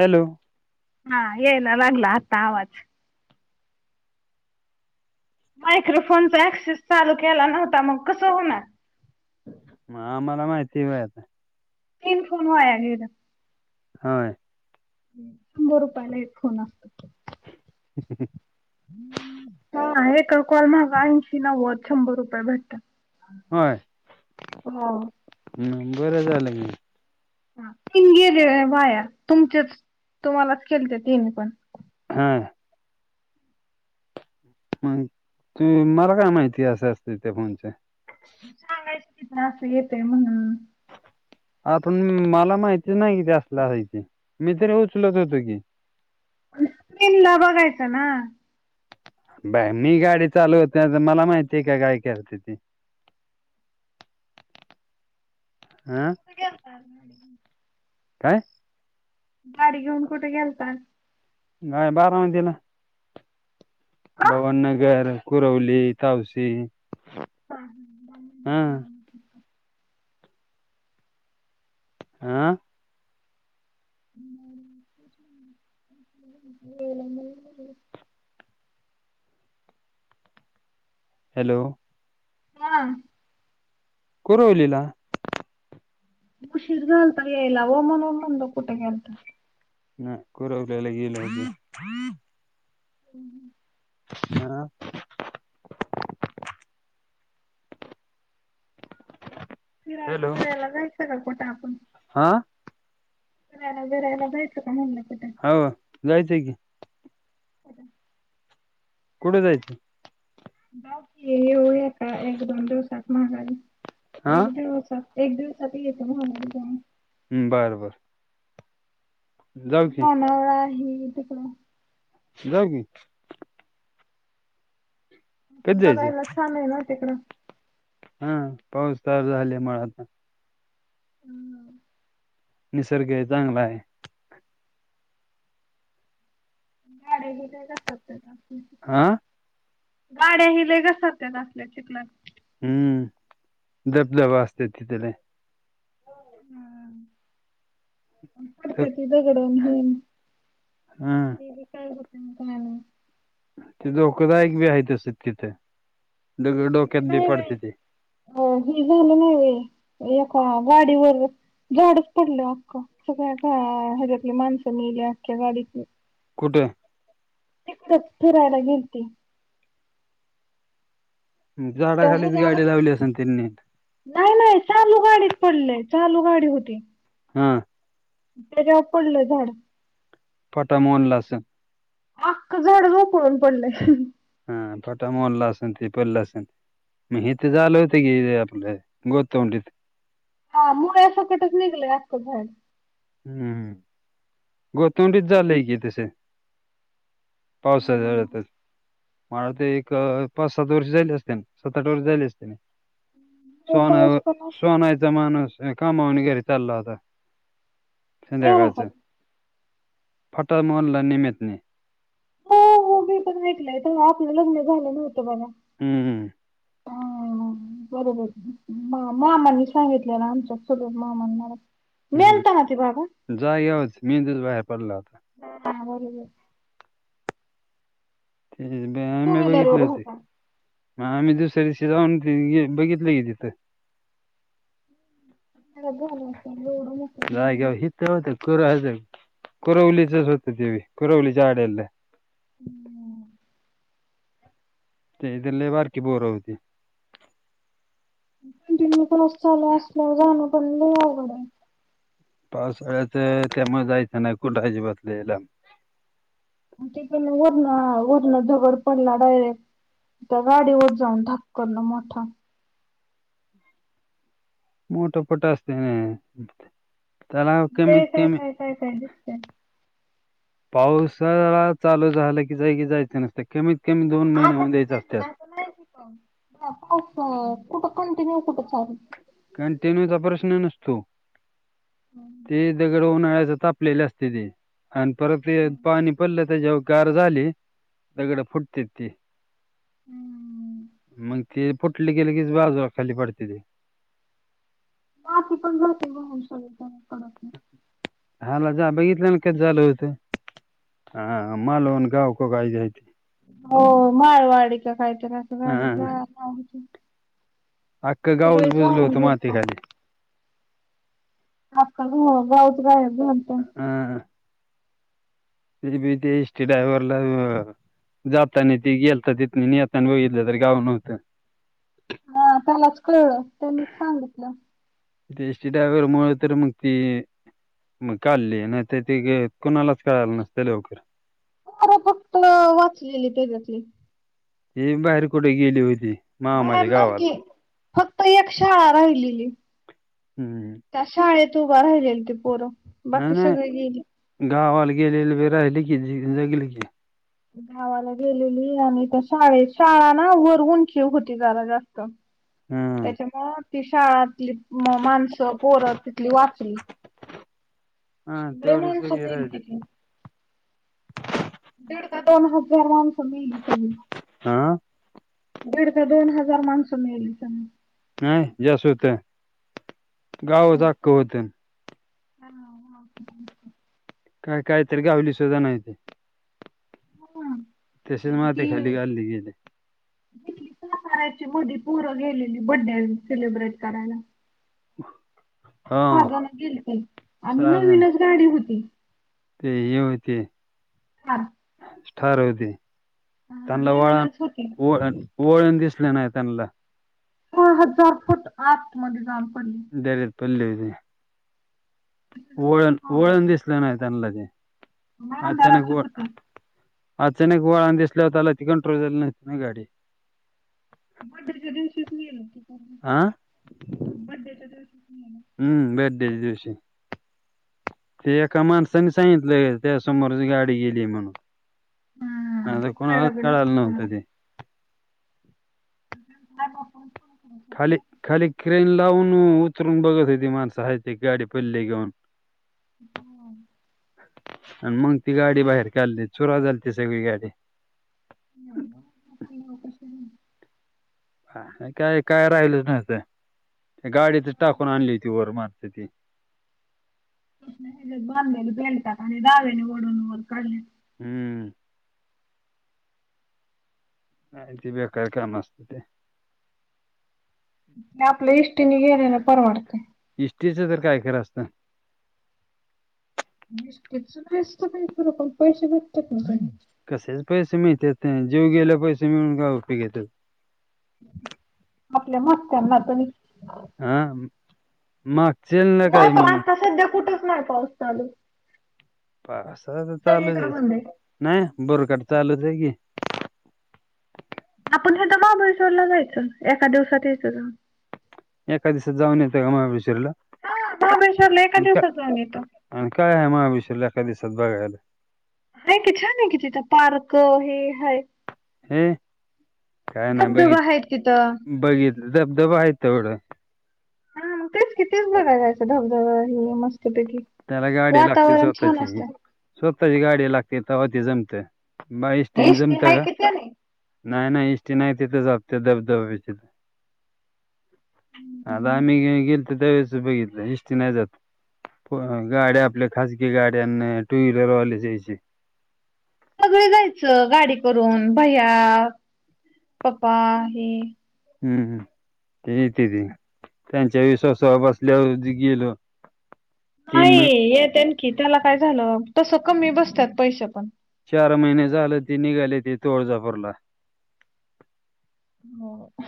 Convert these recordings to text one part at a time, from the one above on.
Hello हां येयला लागला आत्ता आवाज. मायक्रोफोनचा ऍक्सेस चालू केला नव्हता मग कसं होणार? म आम्हाला माहिती वय आता. तीन फोन वाया गेलं. हय. शंभर रुपयाला हेडफोन असतात. ह ह ह. एका कॉल माग ऐंशी नव्वद शंभर रुपये भेटतात. होय हो. म बरं झालं कि. हां तीन गेले अ वाया तुमचेच तुम्हालाच केलते तीन कॉल. हां. मंग तू मला काय माहिती आसं असतेय ते फोनच्या. सांगायच तिथं आसं येतय म्हणून. आ पण माला माहिती नाई ज्यासल् हाय ते मी तरी उचलत होतो की. तेनला बघायचा ना. बाय मी गाडी चालवत नाय त मला माहिते का काय कारते ते. हां. वीडियो पा हम हम हम. काय गाडी घेऊन कुटे गेलता? नाय बारा म दिला. का? भवननगर, कुरवली, तावशी. पाह नाम हा नाम. आं. ला [unintelligible] हॅलो. माम्. कुरवलीला. उशिर झालता येयला ओ म्हनून म्हनलं कुटे गेलता. नाय कुरवल्याला गेलो होतो. हम्म. हां आ. फिरायला बिरायला जायचं का कुठं आपण? आ फिरायला बिरायला जायचं का म्हणलं कुठे हो जायचं कि कुठे जायचं? बाकी येऊया का एक दोन दिवसात माघारी हा एक दिवसात एक दिवसात येयाचं मघारी जावून हम्म बरं बर जाऊ की वनवळा आहे तिकडे जावू की कधी जायचं बघायला छान आहे ना तिकडं हा पाऊस चालू झाल्यामुळे आता हम्म निसर्ग आहे चांगला आहे. गाडे बि तेसतात त्याच्या आ गाड्या हि लेय घसरतात चिखलात हम्म दबदब असं असतेत तिथं लय पडते ती दगडण हे हा काय होते काय ना ते धोकादायक बी आहे तसं तिथे इतकी डोक्यात बी नाही बाई पडते ते अ हे झालं नाही होय एका गाडीवर झाडच पडले अख्खं सगळ्या ह्याच्यातली माणसं मेली अख्ख्या गाडीतली कुठे? ते फिरायला गेल ते त्या झाडाखालीच ह्याच्यावर गाडी लावली असेल त्यांनी नाही नाही चालू गाडीच पडलीय चालू गाडी होती. हा त्याच्यावर पडलं झाड- फटा मोडला असलं अख्ख झाड झोकळून पडलं हा फटा मोडला असंल ते पडलं असेल मग हे ते झालं होत की आपलं गोतावंडीत हा मुळे सकटच निघले आखक झाड हम्म गोतंडीत झालंय कि तसे पावसाळतच मला वाटतं ते एक पाच सात वर्ष झाले असते ना सात आठ वर्ष झाले असते ना लय पाऊस सोन पण अस सोनाचा माणूस कामावणी घरी चालला होता. गेला का संध्याकाळचा तो? फाटा मोडला निमित्त हो हो पण ऐकलंय तेव आपलं लग्न झालं नव्हतं बघा हम्म हम्म हा बरोबर मा मामांनी सांगितलेला आमच्या चुलत मामांनाला मेलता ना ते बाबा जागेवर मेदूच बाहेर पडला होता. हा बरोबर ते टू एम ए व्हीलर बघितले वर होते. होता मग आम्ही दुसऱ्या दिवशी जाऊन बघितलं गे तिथं खरं झालं असता लोड मोठ ते होत कोरव कोरवलीचच होतं देवी कोरवलीच्या आड्याला हम्म त्याची तर लय बारकी पोर होती. कंटिन्यूस चालू असल्या जाणं पण लयं अवगड पावसाळ्याचं त्यामुळे जायचं नाही कुठं अजिबातलं याला तेठीिक वरण वरणं दगड पडला डायरेक्ट त्या गाडीवरत जाऊन धक्क करण मोठा मोठो फोट असते. ना त्याला कमीत लय काय कमी काय काय काय दिसतंय पावसाळा चालू झालं की जाय की जायचं नसतं कमीत कमी दोन महिने आता होऊन द्यायचे कुठे पण असतत. आता नाही का? पा कुठं कंटिन्यू कुठं चालू कारण ते नचा प्रश्न नसतो हम्म. ते दगड होऊनच लेले असते ते आणि परत ते पाणी पडलं आता जेव्हा कार झाली दगडं फुटते ती हम्म मग ते फुटलं गेलं की बाजूला खाली पडते. ते माती पण जाते वाहून सगळण.. हला जा बघितलं ना कस झालं होतं.. ह अम लोन काओो कायज यती.. हो माळवाडी का खायत ना असं हा. गाडी.. अख्खं गावस बुजल वाहून होतं माती गेलतात. खाली. आक्का गांवच गायब झालता हंं.. तरी ब ते एस टी ड्राय्हरला.. जाताना त गेलता ति येताना बघितलं तरी गाव नव्हतं हा त्यालाच कळलं त्यांनी सांगितलं े एस्टि ड्रायवर मुळं तर मगती... मग काढली नाही ते त कुणालाच कळाला नसते लवकर अर फक्त वाचलेली त्याच्यातले हे बाहेर कुठे गेली होती.. बाहेर मामाच्या गावाला नकी फक्त एक शाळा राहिलेली हम्म. त्याशाळेत उभा रायलेल ती पोरं नाही बाकी सगळे गेली. नाही गावाला गेलेले व राहिले की ज जगले की गावाला गेलेली आणि त्या शाळ शाळा ना वरवूनचीव होती जरा जास्त हा त्याच्यामुं ती शाळातली माणसं पोरं तिथली वाचली हा े तेवढी माणसून सगळी येईल राहिली तिथे दीड दोन हजार माणसं मीली समी हां दीड का दोन हजार माणसं मिळेली सज नाही जस होतं गावच अख्ख होते. हा ह काय काय तररी गावली सुद्धा नाहीे आ तसेच त माती खाली गाडली गेली गली सातऱ्याची मदी पोरं गेलेली बड्डे सेलिब्रेट करायला ह महाारगाला गेल ते आम्ही साधन नवीनच गाडी होती ते हे होते.. हां स्टार होते. त्यांनला वळण नवीनच होती. वओळून दिसले नाही त्यांना प हजार फुट आत मध्ये जाऊ पडली र रुपल् हो ओळून ओळण दिसले ना त्यांनला ते अचानक अंधाराची ळ होती. अचानक वळ दिसल्या होताला ती कंट्रोल झाली नसती ना गाडी बड्डेच्या दिवशीच गेलो [unintelligible] हा बड्डेच्या दिवशी [unintelligible] हम्म, बड्डेच्या दिवशी. ते एका माणसाने सांगितलंय, त्या समोरच गाडी गेली म्हणून. हम्म हा, कोणालाच कळलं बी कळालं नसतं कोणाला. नव्हतं ते. [unintelligible] खाली ना की खाली क्रेन लावून, उतरून बघत होती माणसं हायत का गाडी पडली घेऊन. हम्म आणि मग ती गाडी बाहेर काढली, चुरा झालती सगळी गाडी. हम हम मग [unintelligible] काय काय राहिलंच नव्हतं, गाडीतच टाकून आणली होती वर माणसं ती. कसल्या हेच्यात बांदलेल बेल्टानि, आणि दावेेने वडून वर काडले. हम्म नाही ती बेकार काम असतंय. ते आपल्या इष्टीने गेल्यालं परवडतंय. इष्टीचं तर काय खरं असतं? इष्टीचं नायसतं काय खरं, पण पैसे भेटतात ना त्याचं. कशाचं पैसे मिळतात, जीव गेल्याव पैसे मिळून काय उपेग हाय आपल्या मागच्यांना त हा मागचेन नाही, पण आता सध्या कुठच नाही पाऊस चालू. [unintelligible] तर चालूच सगळीकडे आहे, बंद नाही भुरकाट चालूच आहे की. आपण हितं महाबळेश्वरला जायचं, एका दिवसात यायचं जाऊन. एका दिसात जाऊन येतं का महाबळेश्वरला? हा, महाबळेश्वरला एका आणि का दिवसात जाऊन येतं. आणि काय आहे महाबळेश्वरला एका दिसात बघायला? हाय की, छान हाय की तिथं पार्क हे हाय. हे, काय नाही बघित धबधबा आहेत तिथं. बघितलं धबधबा आहेत तेवढं. हा, तेच की तेच बघाय जायचं धबधबा हे मस् तपैकी, त्याला गाडी लागते वातावरण छान स्वतःची असतं. स्वतःची गाडी लागती तवा ती जमतं, म इष्टीनी जमतं का? किती नाही नाही नाही इष्टी नाही तिथं जात त्या धबधब्यापशी. आता आम्ही गी गेलतो त्यावेळेसच बघितलं, इस्टी नाही जात. गाड्या आपल्या खाासगी गाड्या अन टू व्हीलरवालेच यायची. सगळी जायचं, गाडी करून भैया, पप्पा हे. हम्म, ते येतेती, त्यांच्या विश्वास बसल्यावर गेलो तीन महि नाही, येतेन की त्याला काय झालं, तसं कमी बसतात पैसे पण. चार महिने झाले ते निघालेती तुळजापूरला.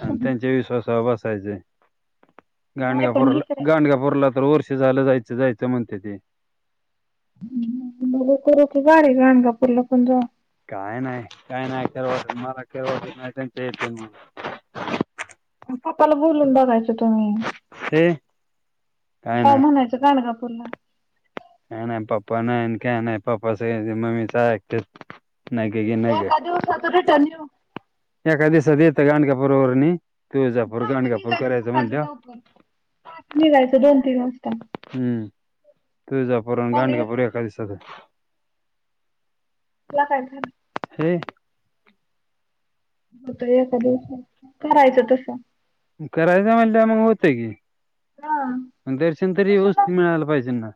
आणि त्यांच्या विश्वासावर बसायचंय. नाही पण गांगापूरला, हिकडे गांडगापूरला तर वर्ष झालं जायचं जायचं म्हणते ते हम्म, बघू करू की गाडी गांडगापूरला पण जाऊ. काय नाही काय नाही, केळव मला [unintelligible] अन पप्पाला बोलून बघायच तुम्ही, हे काय जाऊ नाही म्हणायचं गांडगापूरला. काय नाय पप्पा नाय अन काय नाय, पप्पाच ह्याज मम्मीच ऐकतेत. एका दिवसात रिटर्न येऊ. एका दिसात येतं गांडगापूर वरून ही, तुळजापूर, गाणगापूर करायचं म्हणल्याव? पहाटं निघायचं, दोन तीन वाजता. हम्म तुळजापुर अन् मग येत गाणगापूर एका दिवसात होतं. ल काय हे होत एका दिवसात करायचं तस. करायचं म्हणलं मग होतं की. हा पण दरशन तरी चला व्यवस्थित मिळायला पाहिजे ना.